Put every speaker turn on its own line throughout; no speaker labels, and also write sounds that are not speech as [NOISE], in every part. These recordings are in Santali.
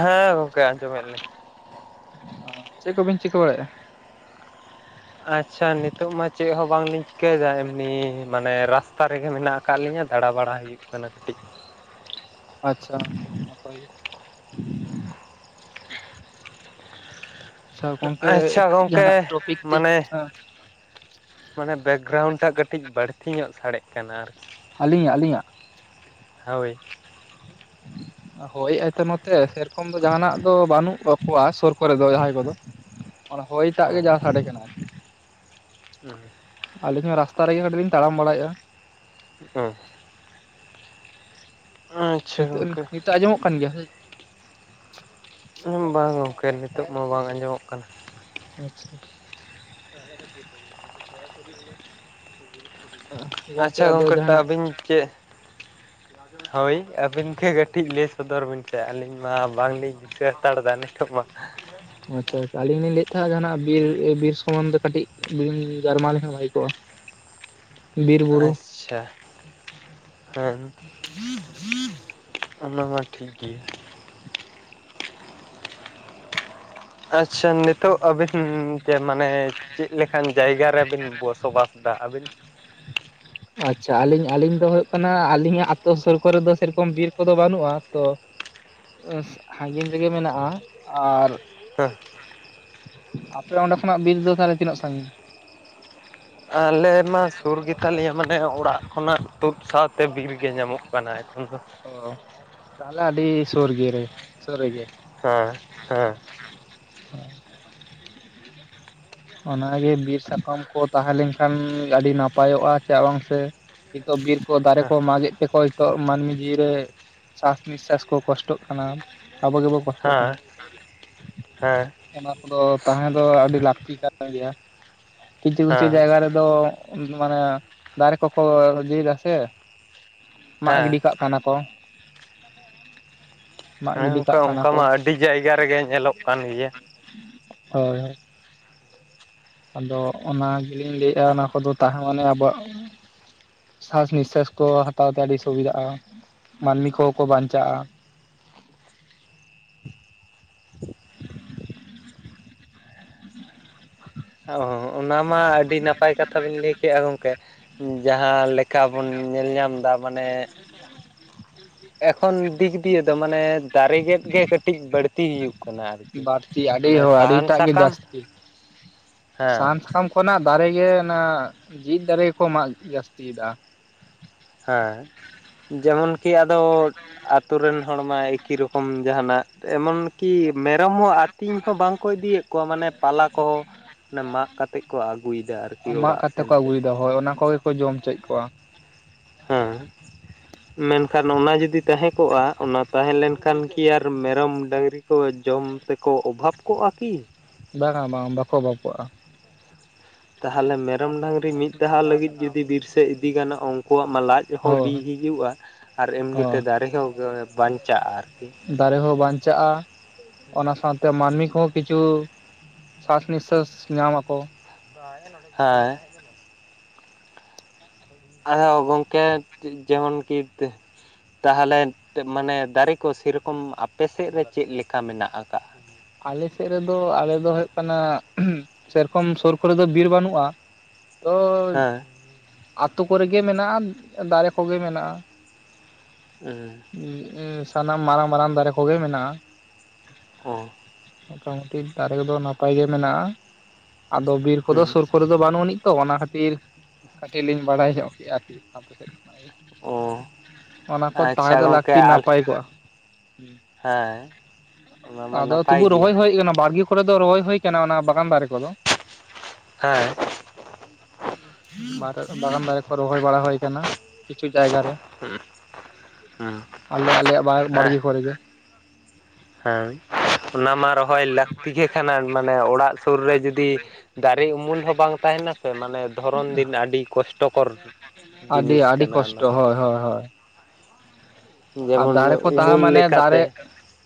ᱦᱮᱸ ᱜᱚᱝᱠᱮ ᱟᱸᱡᱚᱢᱮᱜᱼᱟ ᱞᱤᱧ᱾
ᱚ ᱪᱮᱜ ᱠᱚᱵᱤᱱ ᱪᱤᱠᱟᱹ ᱵᱟᱲᱟᱭᱮᱜᱼᱟ?
ᱟᱪᱪᱷᱟ ᱱᱤᱛᱚᱜ ᱢᱟ ᱪᱮᱜ ᱦᱚᱸ ᱵᱟᱝᱞᱤᱧ ᱪᱤᱠᱟᱹᱭᱫᱟ ᱮᱢᱱᱤ ᱢᱟᱱᱮ ᱨᱟᱥᱛᱟ ᱨᱮᱜᱮ ᱢᱮᱱᱟᱜ ᱟᱠᱟᱜ ᱞᱤᱧᱟᱹ ᱫᱟᱬᱟ ᱵᱟᱲᱟ ᱦᱩᱭᱩᱜ ᱠᱟᱱᱟ ᱠᱟᱹᱴᱤᱡ᱾
ᱟᱪᱪᱷᱟ ᱱᱟᱯᱟᱭ ᱜᱮ᱾ ᱥᱟ ᱜᱚᱝᱠᱮ
ᱟᱪᱪᱷᱟ ᱜᱚᱝᱠᱮ
ᱡᱟᱦᱟᱸᱱᱟᱜ ᱴᱚᱯᱤᱠ ᱛᱮ
ᱢᱟᱱᱮ ᱢᱟᱱᱮ ᱵᱮᱠᱜᱨᱟᱣᱩᱱᱰ ᱴᱟᱜ ᱠᱟᱹᱴᱤᱡ ᱵᱟᱹᱲᱛᱤ ᱧᱚᱜ ᱥᱟᱰᱮᱜ ᱠᱟᱱᱟ ᱟᱨ
ᱟᱹᱞᱤᱧᱟᱜ ᱟᱹᱞᱤᱧᱟᱜ?
ᱦᱳᱭ
[INAUDIBLE] ᱦᱳᱭ ᱮ ᱟᱭᱛᱚ ᱱᱚᱛᱮ ᱥᱮᱨᱚᱠᱚᱢ ᱫᱚ ᱡᱟᱦᱟᱱᱟᱜ ᱫᱚ ᱵᱟᱱᱩᱜ ᱚᱠᱚᱣᱟ ᱥᱳᱨ ᱠᱚᱨᱮ ᱫᱚ ᱡᱟᱦᱟᱸᱭ ᱠᱚᱫᱚ᱾ ᱚᱱᱟ ᱦᱚᱭ ᱴᱟᱜ ᱜᱮ ᱡᱟ ᱥᱟᱰᱮ ᱠᱟᱱᱟ ᱟᱨ
[INAUDIBLE]
ᱟᱞᱤᱧ ᱦᱚᱸ ᱨᱟᱥᱛᱟ ᱨᱮᱜᱮ ᱠᱟᱹᱴᱤᱡ ᱞᱤᱧ ᱛᱟᱲᱟᱢ ᱵᱟᱲᱟᱭᱮᱜᱼᱟ᱾
ᱦᱩᱸ ᱟᱪᱪᱷᱟ
ᱱᱤᱛᱚᱜ
ᱜᱚᱝᱠᱮ
ᱱᱤᱛᱚᱜ ᱟᱸᱡᱚᱢᱚᱜ ᱠᱟᱱ ᱜᱮᱭᱟ ᱥᱮ?
ᱵᱟᱝ ᱜᱚᱝᱠᱮ ᱱᱤᱛᱚᱜ ᱢᱟ ᱵᱟᱝ ᱟᱸᱡᱚᱢᱚᱜ ᱠᱟᱱᱟ᱾
ᱟᱪᱪᱷᱟ ᱾
ᱟᱪᱪᱷᱟ ᱜᱚᱝᱠᱮ ᱴᱟ ᱟᱵᱤᱧ ᱪᱮᱹ ᱦᱳᱭ ᱟᱹᱵᱤᱱ ᱜᱮ ᱠᱟᱹᱴᱤᱡ ᱞᱮᱥ ᱥᱚᱫᱚᱨ ᱵᱤᱱ ᱥᱮ ᱟᱞᱤᱧ ᱢᱟ ᱵᱟᱝᱞᱤᱧ ᱫᱤᱥᱟᱹ ᱦᱟᱛᱟᱲ ᱫᱟ ᱱᱤᱛᱚᱜ ᱢᱟ᱾
ᱟᱪᱪᱷᱟ ᱟᱪᱷᱟ ᱟᱞᱤᱧ ᱞᱤᱧ ᱞᱟᱹᱭᱮᱜ ᱛᱟᱦᱮᱸᱜᱼᱟ ᱡᱟᱦᱟᱱᱟᱜ ᱵᱤᱨ ᱤ ᱵᱤᱨ ᱥᱚᱢᱟᱱᱫᱮ ᱠᱟᱹᱴᱤᱡ ᱵᱤᱱ ᱜᱟᱨᱢᱟᱣ ᱞᱮᱠᱷᱟᱱ ᱵᱷᱟᱜᱤ ᱠᱚᱜᱼᱟ ᱵᱤᱨ ᱵᱩᱨᱩ
ᱪᱷᱟ ᱦᱮᱸ ᱚᱱᱟ ᱢᱟ ᱴᱷᱤᱠ ᱜᱤ᱾ ᱟᱪᱪᱷᱟ ᱱᱤᱛᱚᱜ ᱟᱵᱮᱱ ᱛᱮ ᱢᱟᱱᱮ ᱪᱮᱜ ᱞᱮᱠᱟᱱ ᱡᱟᱭᱜᱟ ᱨᱮᱵᱤᱱ ᱵᱚᱥᱚᱵᱟᱥ ᱫᱟ ᱟᱵᱤᱱ?
ᱟᱪᱪᱷᱟ ᱟᱞᱤᱧ ᱟᱞᱤᱧ ᱫᱚ ᱦᱩᱭᱳᱜ ᱠᱟᱱᱟ ᱟᱞᱤᱧᱟᱜ ᱟᱛᱳ ᱥᱩᱨ ᱠᱚᱨᱮ ᱫᱚ ᱥᱮᱨᱚᱠᱚᱢ ᱵᱤᱨ ᱠᱚᱫᱚ ᱵᱟᱹᱱᱩᱜᱼᱟ ᱛᱚ ᱟᱺᱥ ᱦᱟᱺᱜᱤᱧ ᱨᱮᱜᱮ ᱢᱮᱱᱟᱜᱼᱟ ᱟᱨ
[INAUDIBLE]
ᱟᱯᱮ ᱚᱸᱰᱮ ᱠᱷᱚᱱᱟᱜ ᱵᱤᱨ ᱫᱚ ᱛᱟᱦᱞᱮ ᱛᱤᱱᱟᱹᱜ ᱥᱟᱺᱜᱤᱧ?
ᱟᱞᱮ ᱢᱟ ᱥᱩᱨ ᱜᱮ ᱛᱟᱞᱮᱭᱟ ᱢᱟᱱᱮ ᱚᱲᱟᱜ ᱠᱷᱚᱱᱟᱜ ᱛᱳᱫ ᱥᱟᱶᱛᱮ ᱵᱤᱨ ᱜᱮ ᱧᱟᱢᱚᱜ᱾ ᱯᱟᱱᱟ ᱮᱠᱷᱚᱱ ᱫᱚ
ᱚ ᱛᱟᱦᱞᱮ ᱟᱹᱰᱤ ᱥᱳᱨᱜᱮ ᱨᱮ ᱥᱳᱨ ᱨᱮᱜᱮ᱾
ᱦᱮᱸ ᱦᱮᱸ
[INAUDIBLE] ᱚᱱᱟᱜᱮ ᱵᱤᱨ ᱥᱟᱠᱟᱢ ᱠᱚ ᱛᱟᱦᱮᱸ ᱞᱮᱱᱠᱷᱟᱱ ᱟᱹᱰᱤ ᱱᱟᱯᱟᱭᱚᱜᱼᱟ ᱪᱟᱜ ᱵᱟᱝ ᱥᱮ ᱱᱤᱛᱚᱜ ᱵᱤᱨ ᱠᱚ ᱫᱟᱨᱮ ᱠᱚ ᱢᱟᱜᱮᱜ ᱛᱮᱠᱚ ᱦᱤᱛᱚᱜ ᱢᱟᱱᱢᱤ ᱤ-ᱨᱮ ᱥᱟᱥᱱᱤᱥᱥᱟᱥ ᱠᱚ ᱠᱚᱥᱴᱚᱜ ᱠᱟᱱᱟ ᱟᱵᱚ ᱜᱮᱵᱚ ᱠᱚᱥᱴᱚᱜ ᱠᱟᱱᱟ
ᱦᱮᱸ ᱦᱮᱸ
ᱚᱱᱟ ᱠᱚᱫᱚ ᱛᱟᱦᱮᱸ ᱫᱚ ᱟᱹᱰᱤ ᱞᱟᱠᱛᱤ ᱠᱟᱱ ᱜᱮᱭᱟ᱾ ᱠᱤᱪᱷᱩ ᱠᱤᱪᱷᱩ
ᱦᱮᱸ
ᱡᱟᱭᱜᱟ ᱨᱮ ᱫᱚ ᱢᱟᱱᱮ ᱫᱟᱨᱮ ᱠᱚᱠᱚ ᱤᱡᱟᱹᱭᱫᱟ ᱥᱮ ᱢᱟᱜ
ᱦᱮᱸ
ᱜᱤᱰᱤ ᱠᱟᱜ ᱠᱟᱱᱟ ᱠᱚ᱾ ᱢᱟᱜ
ᱦᱮᱸ
ᱜᱤᱰᱤ
ᱜᱚᱝᱠᱮ
ᱠᱟᱜ ᱠᱟᱱᱟ
ᱚᱝᱠᱟ
ᱠᱚ
ᱢᱟ ᱟᱹᱰᱤ ᱡᱟᱭᱜᱟ ᱨᱮᱜᱮ ᱧᱮᱞᱚᱜ ᱠᱟᱱ ᱜᱮᱭᱟ᱾
ᱦᱳᱭ ᱦᱳᱭ᱾ ᱟᱫᱚ ᱚᱱᱟ ᱜᱮᱞᱤᱧ ᱞᱟᱹᱭᱮᱜᱼᱟ ᱚᱱᱟ ᱠᱚᱫᱚ ᱛᱟᱦᱮᱸ ᱢᱟᱱᱮ ᱟᱵᱚᱣᱟᱜ ᱥᱟᱥ ᱱᱤᱥᱥᱟᱥ ᱠᱚ ᱦᱟᱛᱟᱣ ᱛᱮ ᱟᱹᱰᱤ ᱥᱩᱵᱤᱫᱟᱜᱼᱟ ᱢᱟᱱᱢᱤ ᱠᱚᱦᱚᱸ ᱠᱚ ᱵᱟᱧᱪᱟᱜᱼᱟ᱾
ᱚ ᱚᱱᱟ ᱢᱟ ᱟᱹᱰᱤ ᱱᱟᱯᱟᱭ ᱠᱟᱛᱷᱟ ᱵᱤᱱ ᱞᱟᱹᱭ ᱠᱮᱜᱼᱟ ᱜᱚᱝᱠᱮ᱾ ᱡᱟᱦᱟᱸ ᱞᱮᱠᱟ ᱵᱚᱱ ᱧᱮᱞ ᱧᱟᱢᱫᱟ ᱢᱟᱱᱮ ᱮᱠᱷᱚᱱ ᱫᱤᱠ ᱫᱤᱭᱮ ᱫᱚ ᱢᱟᱱᱮ ᱫᱟᱨᱮ ᱜᱮᱫ ᱜᱮ ᱠᱟᱹᱴᱤᱡ ᱵᱟᱹᱲᱛᱤ ᱤᱭᱩ
ᱵᱟᱴᱛᱤ ᱟᱹᱰᱤ ᱦᱚ ᱟᱰᱤᱴᱟᱜ ᱜᱮ
ᱥᱟᱠᱟᱢ
ᱡᱟᱥᱛᱤ
ᱦᱮᱸ
ᱥᱟᱦᱟᱱ ᱥᱟᱠᱟᱢ ᱠᱷᱚᱱᱟᱜ ᱫᱟᱨᱮ ᱜᱮ ᱚᱱᱟ ᱡᱤᱣᱤᱫ ᱫᱟᱨᱮ ᱜᱮᱠᱚ ᱢᱟᱜ ᱡᱟᱥᱛᱤᱭᱫᱟ᱾
ᱦᱮᱸ ᱡᱮᱢᱚᱱ ᱠᱤ ᱟᱫᱚ ᱟᱛᱳ ᱨᱮᱱ ᱦᱚᱲᱢᱟᱭ ᱮᱠᱤ ᱨᱚᱠᱚᱢ ᱡᱟᱦᱟᱱᱟᱜ ᱮᱢᱚᱱ ᱠᱤ ᱢᱮᱨᱚᱢ ᱦᱚᱸ ᱟᱛᱤᱧ ᱦᱚᱸ ᱵᱟᱝ ᱠᱚ ᱤᱫᱤᱭᱮᱜ ᱠᱚᱣᱟ ᱢᱟᱱᱮ ᱯᱟᱞᱟ ᱠᱚᱦᱚ ᱚᱱᱟ ᱢᱟᱜ ᱠᱟᱛᱮᱜ ᱠᱚ ᱟᱜᱩᱭᱫᱟ ᱟᱨᱠᱤ
ᱢᱟᱜ
ᱚᱲᱟᱜ
ᱠᱟᱛᱮ ᱠᱚ
ᱥᱮᱱᱛᱮ᱾
ᱟᱹᱜᱩᱭᱮᱫᱟ ᱦᱳᱭ ᱚᱱᱟ ᱠᱚᱜᱮ ᱠᱚ ᱡᱚᱢ ᱪᱚᱭᱮᱫ ᱠᱚᱣᱟ᱾
ᱦᱮᱸ᱾ ᱢᱮᱱᱠᱷᱟᱱ ᱚᱱᱟ ᱡᱩᱫᱤ ᱛᱟᱦᱮᱸ ᱠᱚᱜ-ᱟ ᱚᱱᱟ ᱛᱟᱦᱮᱸ ᱞᱮᱱᱠᱷᱟᱱ ᱠᱤ ᱟᱨ ᱢᱮᱨᱚᱢ ᱰᱟᱝᱨᱤ ᱦᱳᱭ ᱡᱚᱢ ᱛᱮᱠᱚ ᱚᱵᱷᱟᱵᱽ ᱠᱚᱜ-ᱟ ᱠᱤ?
ᱵᱟᱝᱟ ᱵᱟᱝ ᱵᱟᱠᱚ ᱚᱵᱷᱟᱯ ᱠᱚᱜᱼᱟ᱾
ᱛᱟᱦᱚᱞᱮ ᱢᱮᱨᱚᱢ ᱰᱟᱝᱨᱤ ᱢᱤᱫ ᱫᱷᱟᱣ ᱞᱟᱹᱜᱤᱫ ᱡᱩᱫᱤ ᱵᱤᱨ ᱥᱮᱫ ᱤᱫᱤ ᱜᱟᱱᱚᱜ ᱩᱱᱠᱩᱣᱟᱜ ᱢᱟ ᱞᱟᱡ ᱦᱚᱸ ᱵᱤ
ᱦᱳᱭ
ᱦᱤᱡᱩᱜᱼᱟ ᱟᱨ ᱮᱢᱱᱤᱛᱮ
ᱦᱳᱭ
ᱫᱟᱨᱮ ᱦᱚᱸ ᱜᱮ ᱵᱟᱧᱪᱟᱜᱼᱟ ᱟᱨᱠᱤ᱾
ᱫᱟᱨᱮ ᱦᱚᱸ ᱵᱟᱧᱪᱟᱜᱼᱟ, ᱚᱱᱟ ᱥᱟᱶᱛᱮ ᱢᱟᱹᱱᱢᱤ ᱠᱚᱦᱚᱸ ᱠᱤᱪᱷᱩ ᱥᱟᱥ ᱱᱤᱥᱥᱟᱹᱥ ᱧᱟᱢ ᱟᱠᱚ᱾
ᱦᱮᱸ᱾ ᱟᱫᱚ ᱜᱚᱝᱠᱮ ᱡᱮᱢᱚᱱ ᱠᱤᱛ ᱛᱟᱦᱚᱞᱮ ᱢᱟᱱᱮ ᱫᱟᱨᱮ ᱠᱚ ᱥᱮᱨᱚᱠᱚᱢ ᱟᱯᱮ ᱥᱮᱫ ᱨᱮ ᱪᱮᱫ ᱞᱮᱠᱟ ᱢᱮᱱᱟᱜ ᱟᱠᱟᱜ-ᱟ?
ᱟᱞᱮ ᱥᱮᱫ ᱨᱮᱫᱚ ᱟᱞᱮ ᱫᱚ ᱦᱩᱭᱩᱜ ᱠᱟᱱᱟ ᱥᱮᱨᱚᱠᱚᱢ ᱥᱩᱨ ᱠᱚᱨᱮ ᱫᱚ ᱵᱤᱨ ᱵᱟᱹᱱᱩᱜᱼᱟ ᱛᱚ ᱟᱹᱛᱳ ᱠᱚᱨᱮ ᱜᱮ ᱢᱮᱱᱟᱜᱼᱟ, ᱫᱟᱨᱮ ᱠᱚᱜᱮ ᱢᱮᱱᱟᱜᱼᱟ᱾
ᱮᱸ᱾
ᱩᱸ ᱩᱸ ᱥᱟᱱᱟᱢ ᱢᱟᱨᱟᱝ ᱢᱟᱨᱟᱝ ᱫᱟᱨᱮ ᱠᱚᱜᱮ ᱢᱮᱱᱟᱜᱼᱟ᱾
ᱚ᱾
ᱢᱚᱴᱟᱢᱩᱴᱤ ᱫᱟᱨᱮ ᱠᱚᱫᱚ ᱱᱟᱯᱟᱭ ᱜᱮ ᱢᱮᱱᱟᱜᱼᱟ, ᱟᱫᱚ ᱵᱤᱨ ᱠᱚᱫᱚ
ᱦᱩᱸ
ᱥᱩᱨ ᱠᱚ ᱫᱚ ᱵᱟᱹᱱ ᱟᱹᱱᱤᱡ ᱛᱚ ᱚᱱᱟ ᱠᱷᱟᱹᱛᱤᱨ ᱠᱟᱹᱴᱤᱡ ᱞᱤᱧ ᱵᱟᱲᱟᱭ ᱧᱚᱜ ᱠᱮᱫᱼᱟ ᱟᱨᱠᱤ ᱟᱯᱮ ᱥᱮᱫ᱾
ᱚ
ᱚᱱᱟ ᱠᱚ
ᱟᱪᱪᱷᱟ
ᱛᱟᱦᱮᱸ ᱫᱚ
ᱜᱚᱝᱠᱮ
ᱞᱟᱹᱠᱛᱤ
ᱟᱞᱮ
ᱱᱟᱯᱟᱭ ᱠᱚᱜᱼᱟ᱾
ᱦᱮᱸ᱾ ᱚᱱᱟ ᱢᱟ
ᱟᱫᱚ
ᱱᱟᱯᱟᱭ
ᱛᱚᱵᱩ
ᱜᱮᱭᱟ
ᱨᱚᱦᱚᱭ ᱦᱩᱭ ᱟᱠᱟᱱᱟ ᱵᱟᱲᱜᱮ ᱠᱚᱨᱮ ᱫᱚ ᱨᱚᱦᱚᱭ ᱦᱩᱭ ᱟᱠᱟᱱᱟ ᱚᱱᱟ ᱵᱟᱜᱟᱱ ᱫᱟᱨᱮ ᱠᱚᱫᱚ᱾
ᱦᱮᱸ᱾
ᱢᱟᱨᱮ ᱵᱟᱜᱟᱱ ᱫᱟᱨᱮ ᱠᱚ ᱨᱚᱦᱚᱭ ᱵᱟᱲᱟ ᱦᱩᱭ ᱟᱠᱟᱱᱟ᱾ ᱠᱤᱪᱷᱩ ᱡᱟᱭᱜᱟ ᱨᱮ, ᱟᱞᱮ ᱟᱞᱮᱭᱟᱜ ᱵᱟᱲᱜᱮ ᱠᱚᱨᱮ ᱜᱮ᱾
ᱦᱳᱭ, ᱚᱱᱟ ᱢᱟ ᱨᱚᱦᱚᱭ ᱞᱟᱹᱠᱛᱤ ᱜᱮ ᱠᱟᱱᱟ ᱢᱟᱱᱮ ᱚᱲᱟᱜ ᱥᱩᱨ ᱨᱮ ᱡᱩᱫᱤ ᱫᱟᱨᱮ ᱩᱢᱩᱞ ᱦᱚᱸ ᱵᱟᱝ ᱛᱟᱦᱮᱱᱟ ᱥᱮ ᱢᱟᱱᱮ ᱫᱷᱚᱨᱚᱱ ᱫᱤᱱ ᱟᱹᱰᱤ ᱠᱚᱥᱴᱚᱠᱚᱨ
ᱟᱹᱰᱤ
ᱡᱤᱱᱤᱥ
ᱟᱹᱰᱤ
ᱠᱟᱱᱟ ᱚᱱᱟ
ᱠᱚᱥᱴᱚ
ᱫᱚ
ᱦᱳᱭ ᱦᱳᱭ ᱦᱳᱭ᱾ ᱟᱨ
ᱡᱮᱢᱚᱱ
ᱫᱟᱨᱮ ᱠᱚ ᱛᱟᱦᱮᱸ
ᱩᱢᱩᱞ
ᱢᱟᱱᱮ ᱫᱟᱨᱮ,
ᱞᱮᱠᱟᱛᱮ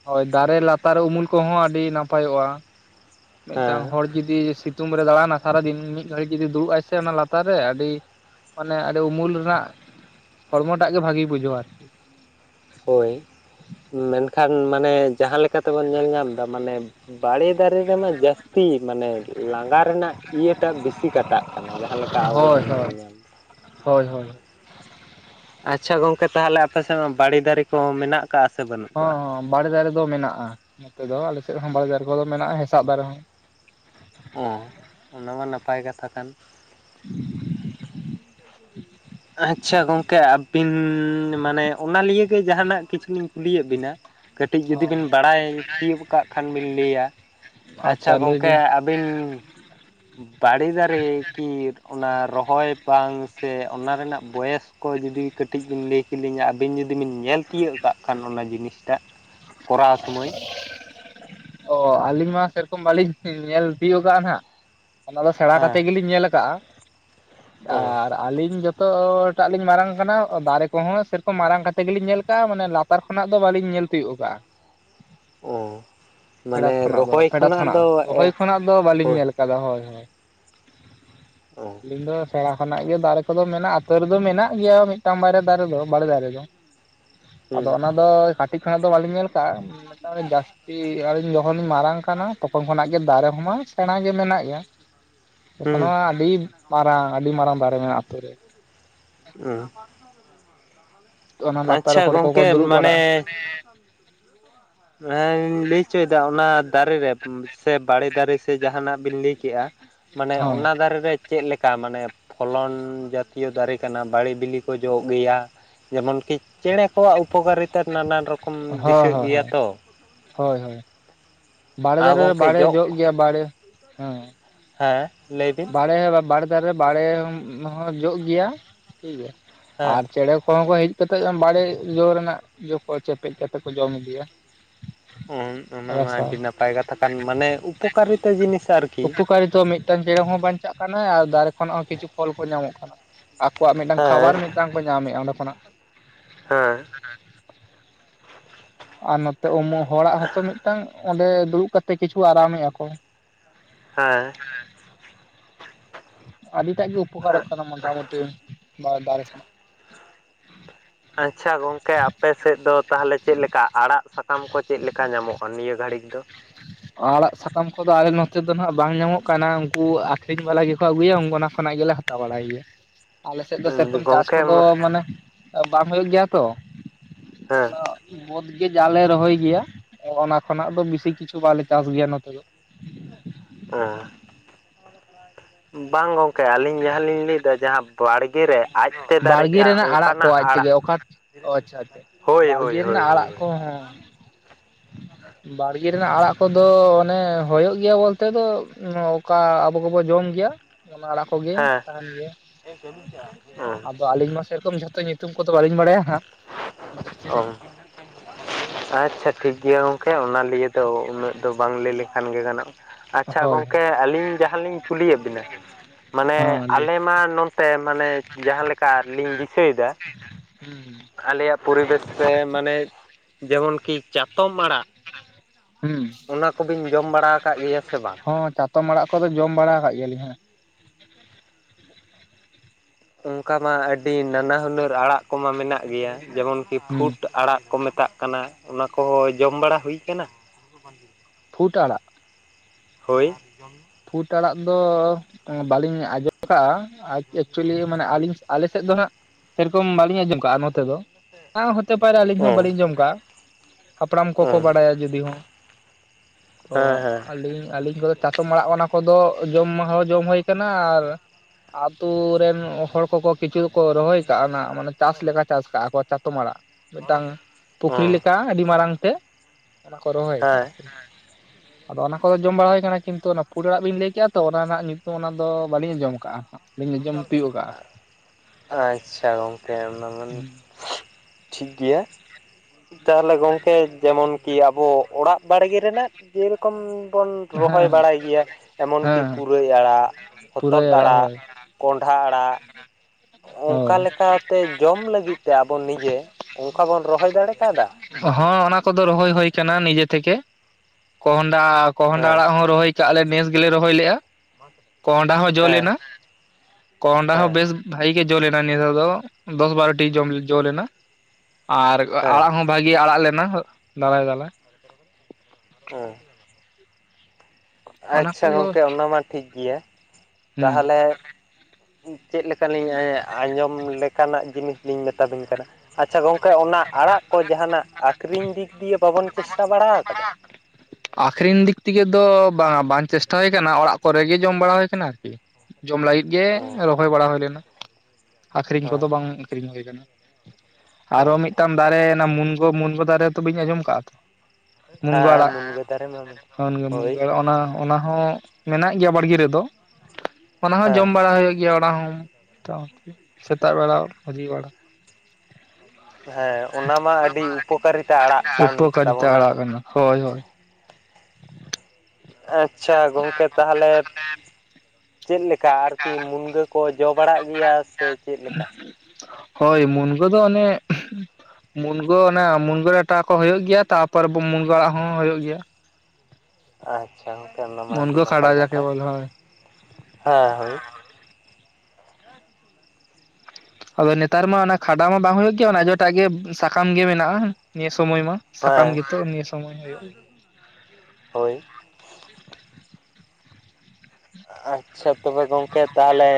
ᱦᱳᱭ ᱫᱟᱨᱮ ᱞᱟᱛᱟᱨ ᱩᱢᱩᱞ ᱠᱚᱦᱚᱸ ᱟᱹᱰᱤ ᱱᱟᱯᱟᱭᱚᱜᱼᱟ᱾ ᱢᱤᱫᱴᱟᱝ
ᱦᱮᱸ
ᱦᱚᱲ ᱡᱩᱫᱤ ᱥᱤᱛᱩᱝ ᱨᱮ ᱫᱟᱬᱟᱱᱟ ᱥᱟᱨᱟ ᱫᱤᱱ ᱢᱤᱫ ᱜᱷᱟᱹᱲᱤᱡ ᱡᱩᱫᱤ ᱫᱩᱲᱩᱵ ᱟᱭ ᱥᱮ ᱚᱱᱟ ᱞᱟᱛᱟᱨ ᱨᱮ ᱟᱹᱰᱤ ᱢᱟᱱᱮ ᱟᱹᱰᱤ ᱩᱢᱩᱞ ᱨᱮᱱᱟᱜ ᱦᱚᱲᱢᱚᱴᱟᱜ ᱜᱮ ᱵᱷᱟᱜᱮᱭ ᱵᱩᱡᱷᱟᱹᱣᱟ᱾
ᱦᱳᱭ᱾ ᱢᱮᱱᱠᱷᱟᱱ ᱢᱟᱱᱮ ᱡᱟᱦᱟᱸ ᱞᱮᱠᱟ ᱛᱮᱵᱚᱱ ᱧᱮᱞ ᱧᱟᱢ ᱮᱫᱟ ᱢᱟᱱᱮ ᱵᱟᱲᱮ ᱫᱟᱨᱮ ᱨᱮᱢᱟ ᱡᱟᱹᱥᱛᱤ ᱛᱤ ᱢᱟᱱᱮ ᱞᱟᱸᱜᱟ ᱨᱮᱱᱟᱜ ᱤᱭᱟᱹᱴᱟᱜ ᱵᱮᱥᱤ ᱠᱟᱴᱟᱜ ᱠᱟᱱᱟ ᱡᱟᱦᱟᱸ ᱞᱮᱠᱟ ᱟᱵᱚ
ᱦᱳᱭ
ᱵᱚᱱ
ᱦᱳᱭ
ᱧᱮᱞ ᱧᱟᱢ ᱫᱟ᱾
ᱦᱳᱭ ᱦᱳᱭ᱾
ᱟᱪᱪᱷᱟ ᱜᱚᱝᱠᱮ ᱛᱟᱦᱚᱞᱮ ᱟᱯᱮ ᱥᱮᱫ ᱢᱟ ᱵᱟᱲᱮ ᱫᱟᱨᱮ ᱠᱚᱦᱚᱸ ᱢᱮᱱᱟᱜ? ᱠᱟᱜᱼᱟ ᱥᱮ ᱵᱟᱹᱱᱩᱜ
ᱦᱚᱸ
ᱠᱟᱜᱼᱟ
ᱦᱚᱸ ᱵᱟᱲᱮ ᱫᱟᱨᱮ ᱫᱚ ᱢᱮᱱᱟᱜᱼᱟ ᱱᱚᱛᱮ ᱫᱚ ᱟᱞᱮ ᱥᱮᱫ ᱦᱚᱸ ᱵᱟᱲᱮ ᱫᱟᱨᱮ ᱠᱚᱫᱚ ᱢᱮᱱᱟᱜᱼᱟ ᱦᱮᱸᱥᱟᱜ ᱫᱟᱨᱮ ᱦᱚᱸ᱾
ᱚ ᱚᱱᱟᱢᱟ ᱱᱟᱯᱟᱭ ᱠᱟᱛᱷᱟ ᱠᱟᱱ᱾
[INAUDIBLE]
ᱟᱪᱪᱷᱟ ᱜᱚᱝᱠᱮ ᱟᱹᱵᱤᱱ ᱢᱟᱱᱮ ᱚᱱᱟ ᱞᱤᱭᱮ ᱡᱟᱦᱟᱱᱟᱜ ᱠᱤᱪᱷᱩ ᱞᱤᱧ ᱠᱩᱞᱤᱭᱮᱫ ᱵᱤᱱᱟ᱾ ᱠᱟᱹᱴᱤᱡ ᱡᱩᱫᱤ
ᱦᱚᱸ
ᱵᱮᱱ ᱵᱟᱲᱟᱭ ᱛᱤᱭᱳᱜ ᱠᱟᱜ ᱠᱷᱟᱱ ᱵᱤᱱ ᱞᱟᱹᱭᱟ ᱟᱪᱪᱷᱟ
ᱞᱟᱹᱭ
ᱜᱚᱝᱠᱮ
ᱵᱤᱱ
ᱟᱹᱵᱤᱱ ᱵᱟᱲᱮ ᱫᱟᱨᱮ ᱠᱤ ᱚᱱᱟ ᱨᱚᱦᱚᱭ ᱵᱟᱝ ᱥᱮ ᱚᱱᱟ ᱨᱮᱱᱟᱜ ᱵᱚᱭᱮᱥ ᱠᱚ ᱡᱩᱫᱤ ᱠᱟᱹᱴᱤᱡ ᱵᱤᱱ ᱞᱟᱹᱭ ᱠᱤᱞᱤᱧᱟ ᱟᱹᱵᱤᱱ ᱡᱩᱫᱤ ᱵᱤᱱ ᱧᱮᱞ ᱛᱤᱭᱟᱹᱜ ᱠᱟᱜ ᱠᱷᱟᱱ ᱚᱱᱟ ᱡᱤᱱᱤᱥᱴᱟᱜ ᱠᱚᱨᱟᱣ ᱥᱩᱢᱚᱭ᱾
ᱚ ᱟᱹᱞᱤᱧ ᱢᱟ ᱥᱮᱨᱚᱠᱚᱢ ᱵᱟᱹᱞᱤᱧ ᱧᱮᱞ ᱛᱤᱭᱩᱜ ᱟᱠᱟᱫ-ᱟ ᱱᱟᱦᱟᱜ᱾ ᱚᱱᱟ ᱫᱚ ᱥᱮᱬᱟ ᱠᱟᱛᱮᱜ
ᱦᱮᱸ
ᱜᱮᱞᱤᱧ ᱧᱮᱞ ᱟᱠᱟᱜ-ᱟ
ᱚ
ᱟᱨ ᱟᱹᱞᱤᱧ ᱡᱚᱛᱚ ᱴᱟᱜ ᱞᱤᱧ ᱢᱟᱨᱟᱝ ᱠᱟᱱᱟ ᱫᱟᱨᱮ ᱠᱚᱦᱚᱸ ᱥᱮᱨᱚᱠᱚᱢ ᱢᱟᱨᱟᱝ ᱠᱟᱛᱮ ᱜᱮᱞᱤᱧ ᱧᱮᱞ ᱠᱟᱜ-ᱟ ᱢᱟᱱᱮ ᱞᱟ ᱞᱟᱛᱟᱨ ᱠᱷᱚᱱᱟᱜ ᱫᱚ ᱵᱟᱹᱞᱤᱧ ᱧᱮᱞ ᱛᱤᱭᱳᱜ ᱟᱠᱟᱜ-ᱟ᱾
ᱚ
ᱯᱷᱮᱰᱟᱛ
ᱢᱟᱱᱮ
ᱠᱷᱚᱱᱟᱜ ᱫᱚ
ᱨᱚᱦᱚᱭ
ᱯᱷᱮᱰᱟᱛ
ᱠᱷᱚᱱᱟᱜ ᱫᱚ ᱮ
ᱨᱚᱦᱚᱭ ᱠᱷᱚᱱᱟᱜ ᱫᱚ ᱵᱟᱹᱞᱤᱧ
ᱦᱳᱭ
ᱧᱮᱞ ᱟᱠᱟᱫᱟ ᱦᱳᱭ ᱦᱳᱭ᱾
ᱚᱻ
ᱟᱹᱞᱤᱧ ᱫᱚ ᱥᱮᱬᱟ ᱠᱷᱚᱱᱟᱜ ᱜᱮ ᱫᱟᱨᱮ ᱠᱚᱫᱚ ᱢᱮᱱᱟᱜ-ᱟ᱾ ᱟᱹᱛᱩ ᱨᱮᱫᱚ ᱢᱮᱱᱟᱜ ᱜᱮᱭᱟ ᱢᱤᱫᱴᱟᱝ ᱵᱟᱨᱭᱟ ᱫᱟᱨᱮ ᱫᱚ ᱵᱟᱲᱮ ᱫᱟᱨᱮ ᱫᱚ᱾ ᱟᱫᱚ
ᱦᱩᱸ
ᱚᱱᱟ ᱫᱚ ᱠᱟᱹᱴᱤᱡ ᱠᱷᱚᱱᱟᱜ ᱫᱚ ᱵᱟᱹᱞᱤᱧ ᱧᱮᱞ ᱠᱟᱜ-ᱟ ᱢᱤᱫᱴᱟᱝ ᱡᱟᱹᱥᱛᱤ ᱟᱹᱞᱤᱧ ᱡᱚᱠᱷᱚᱱ ᱞᱤᱧ ᱢᱟᱨᱟᱝ ᱠᱟᱱᱟ ᱛᱚᱠᱷᱚᱱ ᱠᱷᱚᱱᱟᱜ ᱜᱮ ᱫᱟᱨᱮ ᱦᱚᱸᱢᱟ ᱥᱮᱬᱟ ᱜᱮ ᱢᱮᱱᱟᱜ ᱜᱮᱭᱟ᱾ ᱮᱠᱷᱚᱱᱳ ᱟᱹᱰᱤ ᱢᱟᱨᱟᱝ ᱟᱹᱰᱤ ᱢᱟᱨᱟᱝ ᱫᱟᱨᱮ ᱢᱮᱱᱟᱜ-ᱟ ᱟᱛᱩ ᱨᱮ᱾
ᱮᱸ
ᱚᱱᱟ ᱞᱟᱛᱟᱨ ᱨᱮ
ᱟᱪᱪᱷᱟ
ᱦᱚᱲ ᱠᱚᱠᱚ
ᱜᱚᱝᱠᱮ
ᱫᱩᱲᱩᱵ
ᱢᱟᱱᱮ
ᱵᱟᱲᱟᱜᱼᱟ
ᱦᱮᱸ ᱤᱧ ᱞᱟᱹᱭ ᱪᱚᱭᱫᱟ ᱚᱱᱟ ᱫᱟᱨᱮ ᱨᱮ ᱥᱮ ᱵᱟᱲᱮ ᱫᱟᱨᱮ ᱥᱮ ᱡᱟᱦᱟᱸᱱᱟᱜ ᱵᱤᱱ ᱞᱟᱹᱭ ᱠᱮᱜ-ᱟ ᱢᱟᱱᱮ
ᱦᱚᱸ
ᱚᱱᱟ ᱫᱟᱨᱮ ᱨᱮ ᱪᱮᱫ ᱞᱮᱠᱟ ᱢᱟᱱᱮ ᱯᱷᱚᱞᱚᱱ ᱡᱟᱹᱛᱤᱭᱚ ᱫᱟᱨᱮ ᱠᱟᱱᱟ ᱵᱟᱲᱮ ᱵᱤᱞᱤ ᱠᱚ ᱡᱚᱜ ᱜᱮᱭᱟ? ᱡᱮᱢᱚᱱ ᱠᱤ ᱪᱮᱬᱮ ᱠᱚᱣᱟᱜ ᱩᱯᱚᱠᱟᱨᱤᱛᱟ ᱱᱟᱱᱟᱱ ᱨᱚᱠᱚᱢ
ᱦᱚᱸ
ᱫᱤᱥᱟᱹᱜ
ᱦᱚᱸ
ᱜᱮᱭᱟ᱾
ᱦᱚᱸ
ᱛᱚ
ᱦᱳᱭ ᱦᱳᱭ ᱵᱟᱲᱮ
ᱟᱨ
ᱫᱟᱨᱮ ᱫᱚ
ᱜᱚᱝᱠᱮ
ᱵᱟᱲᱮ ᱡᱚᱜ ᱜᱮᱭᱟ ᱵᱟᱲᱮ ᱦᱮᱸ᱾
ᱦᱮᱸ ᱞᱟᱹᱭ ᱵᱤᱱ
ᱵᱟᱲᱮ ᱵᱟᱲᱮ ᱫᱷᱟᱨᱮ ᱵᱟᱲᱮ ᱦᱚᱸᱢ ᱦᱚᱸ ᱡᱚᱜ ᱜᱮᱭᱟ᱾ ᱴᱷᱤᱠ ᱜᱮᱭᱟ
ᱦᱮᱸ
ᱟᱨ ᱪᱮᱬᱮ ᱠᱚᱦᱚᱸ ᱠᱚ ᱦᱮᱡ ᱠᱟᱛᱮᱜ ᱟᱢ ᱵᱟᱲᱮ ᱡᱚ ᱨᱮᱱᱟᱜ ᱡᱚ ᱠᱚ ᱪᱮᱯᱮᱡ ᱠᱟᱛᱮ ᱠᱚ ᱡᱚᱢ ᱤᱫᱤᱭᱟ᱾
ᱚᱢ ᱚᱱᱟ ᱢᱟ
ᱨᱟᱥᱟ
ᱟᱹᱰᱤ ᱱᱟᱯᱟᱭ ᱠᱟᱛᱷᱟ ᱠᱟᱱ ᱢᱟᱱᱮ ᱩᱯᱚᱠᱟᱨᱤᱛᱟ ᱡᱤᱱᱤᱥ ᱟᱨᱠᱤ᱾
ᱩᱯᱚᱠᱟᱨᱤᱛᱚ ᱢᱤᱫᱴᱟᱝ ᱪᱮᱬᱮ ᱦᱚᱸ ᱵᱟᱧᱪᱟᱜ ᱠᱟᱱᱟᱭ ᱟᱨ ᱫᱟᱨᱮ ᱠᱷᱚᱱᱟᱜ ᱦᱚᱸ ᱠᱤᱪᱷᱩ ᱯᱷᱚᱞ ᱠᱚ ᱧᱟᱢᱚᱜ ᱠᱟᱱᱟ᱾ ᱟᱠᱚᱣᱟᱜ ᱢᱤᱫᱴᱟᱝ ᱠᱷᱟᱵᱟᱨ
ᱦᱮᱸ
ᱢᱤᱫ ᱴᱟᱝ ᱠᱚ ᱧᱟᱢᱮᱜ-ᱟ ᱚᱸᱰᱮ ᱠᱷᱚᱱᱟᱜ᱾
ᱦᱮᱸ
ᱟᱨ ᱱᱚᱛᱮ ᱩᱢᱩᱜ ᱦᱚᱲᱟᱜ ᱦᱚᱸᱛᱚ ᱢᱤᱫᱴᱟᱝ ᱚᱸᱰᱮ ᱫᱩᱲᱩᱵ ᱠᱟᱛᱮ ᱠᱤᱪᱷᱩ ᱟᱨᱟᱢᱮᱜ ᱟᱠᱚ᱾
ᱦᱮᱸ
ᱟᱹᱰᱤᱴᱟᱜ ᱜᱮ ᱩᱯᱚᱠᱟᱨᱚᱜ ᱠᱟᱱᱟ ᱢᱚᱴᱟ ᱢᱩᱴᱤ ᱵᱟᱲᱮ ᱫᱟᱨᱮ ᱠᱷᱚᱱᱟᱜ᱾
ᱟᱪᱪᱷᱟ ᱜᱚᱝᱠᱮ ᱟᱯᱮ ᱥᱮᱫ ᱫᱚ ᱛᱟᱦᱞᱮ ᱪᱮᱫ ᱞᱮᱠᱟ ᱟᱲᱟᱜ ᱥᱟᱠᱟᱢ ᱠᱚ ᱪᱮᱫ ᱞᱮᱠᱟ ᱧᱟᱢᱚᱜ-ᱟ ᱱᱤᱭᱟᱹ ᱜᱷᱟᱹᱲᱤᱡ ᱫᱚ?
[UNINTELLIGIBLE] ᱟᱲᱟᱜ ᱥᱟᱠᱟᱢ ᱠᱚᱫᱚ ᱟᱞᱮ ᱱᱚᱛᱮ ᱫᱚ ᱱᱟᱦᱟᱜ ᱵᱟᱝ ᱧᱟᱢᱚᱜ ᱠᱟᱱᱟ᱾ ᱩᱝᱠᱩ ᱟᱹᱠᱷᱨᱤᱧ ᱵᱟᱞᱟ ᱜᱮᱠᱚ ᱟᱹᱜᱩᱭᱟ ᱩᱝᱠᱩ ᱚᱱᱟ ᱠᱷᱚᱱᱟᱜ ᱜᱮᱞᱮ ᱦᱟᱛᱟᱣ᱾ ᱛᱟ ᱵᱟᱲᱟᱭ ᱜᱮᱭᱟ᱾ ᱟᱞᱮ ᱥᱮᱜ ᱫᱚ ᱥᱮᱨᱚᱠᱚᱢ ᱪᱟᱥ
ᱜᱚᱝᱠᱮ
ᱠᱚᱫᱚ ᱢᱟᱱᱮ ᱵᱟᱝ ᱦᱩᱭᱩᱜ ᱜᱮᱭᱟ ᱛᱚ
ᱦᱮᱸ
ᱚᱱᱟ ᱵᱟᱹᱫᱽ ᱜᱮ ᱡᱟᱞᱮ ᱨᱚᱦᱚᱭ ᱜᱮᱭᱟ ᱚᱱᱟ ᱠᱷᱚᱱᱟᱜ ᱫᱚ ᱵᱤᱥᱤ ᱠᱤᱪᱷᱩ ᱵᱟᱞᱮ ᱪᱟᱥ ᱜᱮᱭᱟ ᱱᱚᱛᱮ ᱫᱚ᱾
ᱚᱸ ᱵᱟᱝ ᱜᱚᱝᱠᱮ ᱟᱹᱞᱤᱧ ᱡᱟᱦᱟᱸ ᱞᱤᱧ ᱞᱟᱹᱭ ᱫᱟ ᱡᱟᱦᱟᱸ ᱵᱟᱲᱜᱮ ᱨᱮ ᱟᱡ ᱛᱮ
ᱵᱟᱲᱜᱮ
ᱫᱟᱨᱮᱜ-ᱟ
ᱨᱮᱱᱟᱜ ᱟᱲᱟᱜ
ᱚᱱᱠᱟᱱᱟᱜ
ᱠᱚ ᱟᱡ
ᱟᱲᱟᱜ᱾
ᱛᱮᱜᱮ ᱚᱠᱟ ᱚ ᱟᱪᱪᱷᱟ ᱟᱪᱪᱷᱟ
ᱦᱳᱭ ᱦᱳᱭ
ᱵᱟᱲᱜᱮ
ᱦᱳᱭ
ᱨᱮᱱᱟᱜ
ᱦᱳᱭ
ᱟᱲᱟᱜ
ᱦᱳᱭ
ᱠᱚ ᱦᱮᱸ ᱵᱟᱲᱜᱮ ᱨᱮᱱᱟᱜ ᱟᱲᱟᱜ ᱠᱚ ᱫᱚ ᱚᱱᱮ ᱦᱳᱭᱳᱜ ᱜᱮᱭᱟ ᱵᱚᱞᱛᱮ ᱫᱚ ᱚᱠᱟ ᱟᱵᱚ ᱠᱚᱵᱚ ᱡᱚᱢ ᱜᱮᱭᱟ ᱚᱱᱟ ᱟᱲᱟᱜ᱾ ᱠᱚᱜᱮ
ᱦᱮᱸ
ᱛᱟᱦᱮᱸᱱ ᱜᱮ ᱟᱫᱚ ᱟᱹᱞᱤᱧ ᱢᱟ ᱥᱮᱨᱚᱠᱚᱢ ᱡᱚᱛᱷᱚ ᱧᱩᱛᱩᱢ ᱠᱚᱫᱚ ᱵᱟᱹᱞᱤᱧ ᱵᱟᱲᱟᱭᱟ ᱦᱟᱸᱜ ᱚᱱᱟ ᱠᱷᱟᱹᱛᱤᱨ
ᱚ
ᱨᱮ
ᱟᱪᱪᱷᱟ ᱴᱷᱤᱠ ᱜᱮᱭᱟ ᱜᱚᱝᱠᱮ ᱚᱱᱟ ᱞᱤᱭᱟᱹ ᱫᱚ ᱩᱱᱟᱹᱜ ᱫᱚ ᱵᱟᱝ ᱞᱟᱹᱭ ᱞᱮᱠᱷᱟᱱ ᱜᱮ ᱜᱟᱱᱚᱜ-ᱟ᱾ ᱟᱪᱪᱷᱟ
ᱦᱳᱭ
ᱜᱚᱢᱠᱮ ᱟᱹᱞᱤᱧ ᱡᱟᱦᱟᱸᱞᱤᱧ ᱠᱩᱞᱤᱭᱮᱫ ᱵᱤᱱᱟ, ᱢᱟᱱᱮ
ᱦᱚᱸ ᱞᱟᱹᱭ
ᱟᱞᱮ ᱢᱟ ᱱᱚᱱᱛᱮ ᱢᱟᱱᱮ ᱡᱟᱦᱟᱸ ᱞᱮᱠᱟ ᱟᱨᱞᱤᱧ ᱫᱤᱥᱟᱹᱭ ᱫᱟ,
ᱦᱩᱸ᱾
ᱯᱚᱨᱤᱵᱮᱥ ᱛᱮ ᱢᱟᱱᱮ ᱡᱮᱢᱚᱱ ᱠᱤ ᱪᱟᱛᱚᱢ ᱟᱲᱟᱜ,
ᱦᱩᱸ᱾
ᱚᱱᱟ ᱠᱚᱫᱤᱧ ᱡᱚᱢ ᱵᱟᱲᱟ ᱟᱠᱟᱫ ᱜᱮᱭᱟ ᱥᱮ ᱵᱟᱝ
ᱦᱚᱸ ᱪᱟᱛᱚᱢ ᱟᱲᱟᱜ ᱠᱚᱫᱚ ᱡᱚᱢ ᱵᱟᱲᱟ ᱠᱟᱜ ᱜᱮᱭᱟᱞᱤᱧ ᱦᱮᱸ᱾
ᱚᱝᱠᱟ ᱢᱟ ᱟᱹᱰᱤ ᱱᱟᱱᱟ ᱦᱩᱱᱟᱹᱨ ᱟᱲᱟᱜ ᱠᱚᱢᱟ ᱢᱮᱱᱟᱜ ᱜᱮᱭᱟ ᱡᱮᱢᱚᱱ ᱠᱤ
ᱦᱩᱸ
ᱯᱷᱩᱴ ᱟᱲᱟᱜ ᱠᱚ ᱢᱮᱛᱟᱜ ᱠᱟᱱᱟ ᱚᱱᱟ ᱠᱚᱦᱚᱸ ᱡᱚᱢ ᱵᱟᱲᱟ ᱦᱩᱭ ᱠᱟᱱᱟ?
ᱯᱷᱩᱴ ᱟᱲᱟᱜ?
ᱦᱳᱭ᱾
ᱯᱷᱩᱴ ᱟᱲᱟᱜ ᱫᱚ ᱟ ᱵᱟᱹᱞᱤᱧ ᱟᱡᱸᱡᱚᱢ ᱠᱟᱜᱼᱟ ᱮᱠᱪᱩᱞᱤ ᱢᱟᱱᱮ ᱟᱞᱤᱧ ᱟᱞᱮᱥᱮᱜ ᱫᱚ ᱦᱟᱸᱜ ᱥᱮᱨᱚᱠᱚᱢ ᱵᱟᱹᱞᱤᱧ ᱟᱸᱡᱚᱢ ᱠᱟᱜᱼᱟ ᱱᱚᱛᱮ ᱫᱚ ᱦᱟᱸ ᱦᱚᱛᱮ ᱯᱟᱨᱮ ᱟᱹᱞᱤᱧ ᱦᱚᱸ
ᱚᱸ
ᱵᱞᱤᱧ ᱟᱸᱡᱚᱢ ᱠᱟᱜᱼᱟ᱾ ᱦᱟᱯᱲᱟᱢ ᱠᱚᱠᱚ
ᱚᱸ
ᱵᱟᱟᱭᱟ ᱡᱩᱫᱤ ᱦᱚᱸ ᱛᱚ
ᱦᱮᱸ ᱦᱮᱸ
ᱟᱹᱞᱤᱧ ᱟᱹᱞᱤᱧ ᱠᱚᱫᱚ ᱛᱚᱢ ᱟᱲᱟᱜ ᱚᱱᱟ ᱠᱚᱫᱚ ᱡᱚᱢ ᱦᱚᱸ ᱡᱚᱢ ᱦᱩᱭ ᱠᱟᱱᱟ ᱟᱨ ᱟᱛᱩ ᱨᱮᱱ ᱦᱚᱲ ᱠᱚᱠᱚ ᱠᱤᱪᱷᱩ ᱫᱚᱠᱚ ᱨᱚᱦᱚᱭ ᱠᱟᱜᱼᱟ, ᱚᱱᱟ ᱢᱟᱱᱮ ᱪᱟᱥ ᱞᱮᱠᱟ ᱪᱟᱥ ᱠᱟᱜᱼᱟ ᱠᱚ ᱪᱟᱛᱚᱢ ᱟᱲᱟᱜ᱾ ᱢᱤᱫᱴᱟᱝ ᱯᱩᱠᱷᱨᱤ
ᱚᱸ
ᱞᱮᱠᱟ ᱟᱹᱰᱤ ᱢᱟᱲᱟᱝ ᱛᱮ ᱚᱱᱟ ᱠᱚ ᱨᱚᱦᱚᱭ ᱠᱟᱜ
ᱦᱮᱸ
ᱟᱠᱤᱱ ᱟᱫᱚ ᱚᱱᱟ ᱠᱚ ᱡᱚᱢ ᱵᱟᱲᱟ ᱦᱩᱭ ᱠᱟᱱᱟ, ᱠᱤᱱᱛᱩ ᱚᱱᱟ ᱯᱩᱸᱰ ᱟᱲᱟᱜ ᱵᱤᱱ ᱞᱟᱹᱭᱠᱮᱜᱼᱟ ᱛᱚ ᱚᱱᱟ ᱨᱮᱱᱟᱜ ᱧᱩᱛᱩᱢ ᱚᱱᱟ ᱫᱚ ᱵᱟᱞᱤᱧ ᱟᱸᱡᱚᱢ ᱠᱟᱜᱼᱟ ᱦᱟᱸᱜ᱾ ᱵᱟᱹᱞᱤᱧ
ᱟᱢ
ᱟᱸᱡᱚᱢ
ᱫᱚ
ᱛᱤᱭᱳᱜ ᱠᱟᱜᱼᱟ
ᱟᱪᱪᱷᱟ ᱜᱚᱝᱠᱮ ᱚᱱᱟ ᱢᱟ ᱴᱷᱤᱠ ᱜᱤᱭᱟ ᱛᱟᱦᱚᱞᱮ ᱜᱚᱝᱠᱮ ᱡᱮᱢᱚᱱ ᱠᱤ ᱟᱵᱚ ᱚᱲᱟᱜ ᱵᱟᱲᱜᱮ ᱨᱮᱱᱟᱜ ᱡᱮᱨᱚᱠᱚᱢ ᱵᱚᱱ ᱨᱚᱦᱚᱭ
ᱦᱮᱸ
ᱵᱟᱲᱟᱭ ᱜᱮᱭᱟ ᱮᱢᱚᱱ ᱠᱤ
ᱦᱮᱸ
ᱯᱩᱨᱟᱹᱭ ᱟᱲᱟᱜ ᱦᱚᱛᱚᱫ
ᱯᱩᱨᱟᱹᱭ
ᱟᱲᱟᱜ,
ᱦᱳᱭ
ᱠᱚᱸᱰᱷᱟ ᱟᱲᱟᱜ ᱚᱝᱠᱟ
ᱦᱳᱭ
ᱞᱮᱠᱟᱛᱮ ᱡᱚᱢ ᱞᱟᱹᱜᱤᱫ ᱛᱮ ᱟᱵᱚ ᱱᱤᱡᱮ ᱚᱱᱠᱟ ᱵᱚᱱ ᱨᱚᱦᱚᱭ ᱫᱟᱲᱮ ᱠᱟᱣᱫᱟ?
ᱦᱚᱸ ᱚᱱᱟ ᱠᱚᱫᱚ ᱨᱚᱦᱚᱭ ᱦᱳᱭ ᱠᱟᱱᱟ ᱱᱤᱡᱮ ᱛᱮᱜᱮ ᱠᱚᱦᱚᱱᱫᱟ ᱠᱚᱦᱚᱸᱱᱰᱟ
ᱦᱮᱸ
ᱟᱲᱟᱜ ᱦᱚᱸ ᱨᱚᱦᱚᱭ ᱪᱟᱜ ᱟᱞᱮ ᱱᱮᱥ ᱜᱮᱞᱮ ᱨᱚᱦᱚᱭ ᱞᱮᱜᱼᱟ ᱠᱚᱦᱚᱸᱰᱟ ᱦᱚᱸ ᱡᱚ ᱞᱮᱱᱟ
ᱦᱮᱸ
ᱠᱚᱦᱚᱸᱰᱟ ᱦᱚᱸ
ᱦᱮᱸ
ᱵᱮᱥ ᱵᱷᱟᱜᱤ ᱜᱮ ᱡᱚ ᱞᱮᱱᱟ ᱱᱤᱭᱮᱫᱷᱟᱣ ᱫᱚ ᱫᱚᱥ ᱵᱟᱨᱚᱴᱤ ᱡᱚᱢ ᱡᱚ ᱞᱮᱱᱟ, ᱟᱨ
ᱦᱮᱸ
ᱟᱲᱟᱜ ᱦᱚᱸ ᱵᱷᱟᱜᱤ ᱟᱲᱟᱜ ᱞᱮᱱᱟ ᱫᱟᱞᱟᱭ ᱫᱟᱞᱟᱭ᱾
ᱚᱸ᱾
ᱚᱱᱟ
ᱟᱪᱪᱷᱟ
ᱠᱚᱫᱚ
ᱜᱚᱝᱠᱮ ᱚᱱᱟ ᱢᱟ ᱴᱷᱤᱠ ᱜᱮᱭᱟ,
ᱦᱩᱸ
ᱛᱟᱦᱟᱞᱮ ᱪᱮᱜ ᱞᱮᱠᱟᱞᱤᱧ ᱟᱸᱡᱚᱢ ᱞᱮᱠᱟᱱᱟᱜ ᱡᱤᱱᱤᱥ ᱞᱤᱧ ᱢᱮᱛᱟᱵᱤᱱ ᱠᱟᱱᱟ ᱟᱪᱪᱷᱟ ᱜᱚᱝ ᱠᱮ ᱚᱱᱟ ᱟᱲᱟᱜ ᱠᱚ ᱡᱟᱦᱟᱸᱱᱟᱜ ᱟᱠᱷᱨᱤᱧ ᱫᱤᱠ ᱫᱤᱭᱮ ᱵᱟᱵᱚᱱ ᱪᱮᱥᱴᱟ ᱵᱟᱲᱟ ᱠᱟᱫᱟ?
[INAUDIBLE] ᱟᱠᱷᱨᱤᱧ ᱫᱤᱠ ᱛᱤᱜᱮ ᱫᱚ ᱵᱟᱝᱟ ᱵᱟᱝ ᱪᱮᱥᱴᱟ ᱦᱳᱭ ᱠᱟᱱᱟ ᱚᱲᱟᱜ ᱠᱚᱨᱮ ᱜᱮ ᱡᱚᱢ ᱵᱟᱲᱟ ᱦᱩᱭ ᱠᱟᱱᱟ ᱟᱨᱠᱤ᱾ ᱡᱚᱢ ᱞᱟᱹᱜᱤᱫ ᱜᱮ
ᱚᱸ
ᱨᱚᱦᱚᱭ ᱵᱟᱲᱟ ᱦᱩᱭ ᱞᱮᱱᱟ ᱟᱠᱷᱨᱤᱧ ᱠᱚᱫᱚ
ᱦᱮᱸ
ᱵᱟᱝ ᱟᱠᱷᱨᱤᱧ ᱦᱩᱭ ᱠᱟᱱᱟ᱾ ᱟᱨᱦᱚ
ᱚᱸ
ᱢᱤᱫᱴᱟᱝ ᱫᱟᱨᱮ ᱚᱱᱟ ᱢᱩᱱᱜᱚ ᱢᱩᱱᱜᱚ ᱫᱟᱨᱮ ᱫᱚᱵᱤᱧ ᱟᱸᱡᱚᱢ ᱠᱟᱜᱼᱟ ᱛᱚ?
ᱦᱮᱸ
ᱢᱩᱱᱜᱟᱹᱟᱲᱟᱜ
ᱢᱩᱱᱜᱟᱹ ᱫᱟᱨᱮ ᱢᱟ
ᱟᱸ
ᱦᱳᱭ
ᱢᱩᱱᱜᱟᱹ ᱟᱲᱟᱜ ᱚᱱᱟ ᱚᱱᱟ ᱦᱚᱸ ᱢᱮᱱᱟᱜ ᱜᱮᱭᱟ ᱵᱟᱲᱜᱮ ᱨᱮᱫᱚ ᱚᱱᱟ ᱦᱚᱸ
ᱦᱮᱸ
ᱡᱚᱢ ᱵᱟᱲᱟ ᱦᱩᱭᱩᱜ ᱜᱤᱭᱟ ᱚᱱᱟ ᱦᱚᱸ ᱢᱚᱴᱟ ᱢᱚᱢᱤ ᱥᱮᱛᱟᱜ ᱵᱮᱲᱟ ᱵᱷᱟᱡᱤ ᱵᱟᱲᱟ᱾
ᱦᱮᱸ ᱚᱱᱟ ᱢᱟ ᱟᱹᱰᱤ ᱩᱯᱚᱠᱟᱨᱤᱛᱟ ᱟᱲᱟᱜ ᱠᱟᱱ ᱛᱟᱵᱚᱱᱟ᱾
ᱚᱱᱟ ᱦᱚᱭ ᱦᱚᱭ᱾
ᱟᱪᱪᱷᱟ ᱜᱚᱢᱠᱮ ᱛᱟᱦᱚᱞᱮ ᱪᱮᱜᱞᱮᱠᱟ ᱟᱨᱠᱤ ᱢᱩᱱᱜᱟᱹ ᱠᱚ ᱡᱚ ᱵᱟᱲᱟᱜ ᱜᱮᱭᱟ ᱥᱮ ᱪᱮᱜᱞᱮᱠᱟ?
ᱦᱳᱭ ᱢᱩᱱᱜᱟᱹ ᱫᱚ ᱚᱱᱮ ᱢᱩᱱᱜᱟᱹ ᱚᱱᱟ ᱢᱩᱱᱜᱟᱹ ᱰᱟᱴᱟ ᱠᱚ ᱦᱳᱭᱳᱜ ᱜᱤᱭᱟ ᱛᱟ ᱯᱟᱨᱵ ᱢᱩᱱᱜᱟ. ᱟᱲᱟᱜ ᱦᱚᱸ ᱦᱩᱭᱩᱜ ᱜᱮᱭᱟ᱾
ᱟᱪᱪᱷᱟ ᱜᱚᱝᱠᱮ ᱚᱱᱟ ᱢᱟ ᱟᱹᱰᱤ
ᱢᱩᱱᱜᱟᱹ
ᱱᱟᱯᱟᱭ
ᱠᱷᱟᱰᱟ ᱡᱟᱠᱮ
ᱠᱟᱛᱷᱟ
ᱵᱚᱞᱮ ᱦᱳᱭ
ᱦᱮᱸ ᱦᱳᱭ᱾
ᱟᱫᱚ ᱱᱮᱛᱟᱨ ᱢᱟ ᱚᱱᱟ ᱠᱷᱟᱰᱟ ᱢᱟ ᱵᱟᱝ ᱦᱳᱭᱳᱜ ᱜᱮᱭᱟ ᱚᱱᱟ ᱡᱚ ᱴᱟᱜ ᱜᱮ ᱥᱟᱠᱟᱢ ᱜᱮ ᱢᱮᱱᱟᱜᱼᱟ ᱱᱤᱭᱟᱹ ᱥᱳᱢᱚᱭ ᱢᱟ᱾ ᱥᱟᱠᱟᱢ
ᱦᱮᱸ
ᱜᱮᱛᱚ ᱱᱤᱭᱟᱹ ᱥᱚᱢᱚᱭ ᱦᱳᱭᱳᱜ᱾
ᱦᱳᱭ ᱟᱪᱪᱷᱟ ᱛᱚᱵᱮ ᱜᱚᱝᱠᱮ ᱛᱟᱦᱟᱞᱮ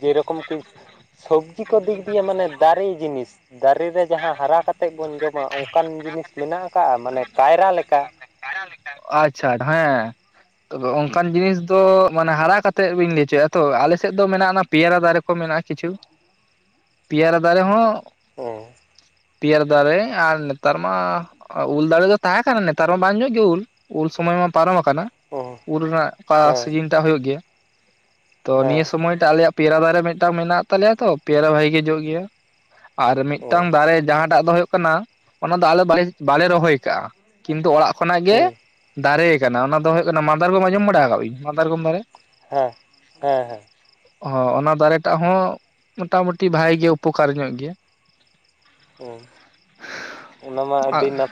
ᱡᱮᱨᱚᱠᱚᱢ ᱠᱤ ᱥᱳᱵ ᱡᱤ ᱠᱚ ᱫᱤᱠ ᱫᱤᱭᱮ ᱢᱟᱱᱮ ᱫᱟᱨᱮ ᱡᱤᱱᱤᱥ᱾ ᱫᱟᱨᱮ ᱨᱮ ᱡᱟᱦᱟᱸ ᱦᱟᱨᱟ ᱠᱟᱛᱮᱫ ᱵᱚᱱ ᱡᱚᱢᱟ ᱚᱱᱠᱟᱱ ᱡᱤᱱᱤᱥ ᱢᱮᱱᱟᱜ ᱟᱠᱟᱜᱼᱟ ᱢᱟᱱᱮ ᱠᱟᱭᱨᱟ ᱞᱮᱠᱟ?
ᱟᱪᱪᱷᱟ ᱦᱮᱸ᱾ ᱛᱚᱵᱮ ᱚᱱᱠᱟᱱ ᱡᱤᱱᱤᱥ ᱫᱚ ᱢᱟᱱᱮ ᱦᱟᱨᱟ ᱠᱟᱛᱮᱜ ᱵᱤᱱ ᱞᱟᱹᱭ ᱦᱚᱪᱚᱭᱮᱜ-ᱟ ᱛᱚ ᱟᱞᱮᱥᱮᱫ ᱫᱚ ᱢᱮᱱᱟᱜᱼᱟ ᱚᱱᱟ ᱯᱤᱭᱟᱨᱟ ᱫᱟᱨᱮ ᱠᱚ ᱢᱮᱱᱟᱜᱼᱟ ᱠᱤᱪᱷᱩ ᱯᱤᱭᱟᱨᱟ ᱫᱟᱨᱮ ᱦᱚᱸ
ᱚ
ᱯᱤᱭᱟᱨᱟ ᱫᱟᱨᱮ ᱟᱨ ᱱᱮᱛᱟᱨ ᱢᱟ ᱩᱞ ᱫᱟᱨᱮ ᱫᱚ ᱛᱟᱦᱮᱸ ᱠᱟᱱᱟ ᱱᱮᱛᱟᱨ ᱢᱟ ᱵᱟᱝ ᱡᱚᱜ ᱜᱮ ᱩᱞ᱾ ᱩᱞ ᱥᱚᱢᱚᱭ ᱢᱟ ᱯᱟᱨᱚᱢ ᱟᱠᱟᱱᱟ
ᱦᱮᱸ
ᱩᱞ ᱨᱮᱱᱟᱜ ᱚᱠᱟ
ᱦᱮᱸ
ᱥᱤᱡᱤᱱ ᱴᱟᱜ ᱦᱩᱭᱩᱜ ᱜᱮᱭᱟ᱾ ᱛᱚ
ᱦᱮᱸ
ᱱᱤᱭᱟᱹ ᱥᱚᱢᱚᱭ ᱴᱟᱜ ᱟᱞᱮᱭᱟᱜ ᱯᱮᱭᱟᱨᱟ ᱫᱟᱨᱮ ᱢᱤᱫᱴᱟᱝ ᱢᱮᱱᱟᱜ ᱛᱟᱞᱮᱭᱟ ᱛᱚ ᱯᱮᱭᱟᱨᱟ ᱵᱷᱟᱜᱤ ᱜᱤ ᱡᱚᱜ ᱜᱮᱭᱟ᱾ ᱟᱨ ᱢᱤᱫᱴᱟᱝ ᱫᱟᱨᱮ ᱡᱟᱦᱟᱸᱴᱟᱜ ᱫᱚ ᱦᱩᱭᱩᱜ ᱠᱟᱱᱟ ᱚᱱᱟ ᱫᱚ ᱟᱞᱮ ᱵᱟᱞᱮ ᱵᱟᱞᱮ ᱨᱚᱦᱚᱭ ᱠᱟᱜ -ᱟ᱾ ᱠᱤᱱᱛᱩ ᱚᱲᱟᱜ ᱠᱷᱚᱱᱟᱜ ᱜᱮ
ᱦᱮᱸ
ᱫᱟᱨᱮ ᱠᱟᱱᱟ ᱚᱱᱟ ᱫᱚ ᱦᱳᱭᱳᱜ ᱠᱟᱱᱟ ᱢᱟᱫᱟᱨᱜᱚᱢ ᱟᱸᱡᱚᱢ ᱵᱟᱲᱟ ᱟᱠᱟᱜᱵᱤᱱ ᱢᱟᱫᱟᱨᱠᱚᱢ ᱫᱟᱨᱮ?
ᱦᱮᱸ ᱦᱮᱸ
ᱦᱚᱸ ᱚᱱᱟ ᱫᱟᱨᱮᱴᱟᱜ ᱦᱚᱸ ᱢᱚᱴᱟᱢᱩᱴᱤ ᱵᱷᱟᱜᱤ ᱜᱮ ᱩᱯᱚᱠᱟᱨ ᱧᱚᱜ ᱜᱮᱭᱟ᱾ [INAUDIBLE]
ᱩᱸ [INAUDIBLE] ᱚᱱᱟᱢᱟ ᱟᱹᱰᱤ ᱱᱟᱯᱟᱼᱼ